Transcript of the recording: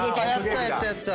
やったやったやった！